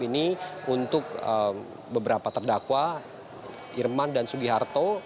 ini untuk beberapa terdakwa herman dan sugi harto